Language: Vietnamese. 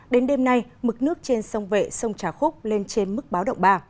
đến đêm nay mực nước trên sông vệ sông trà khúc lên trên mức báo động ba